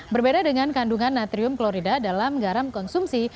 berbeda dengan kandungan natrium klorida dalam garam konsumsi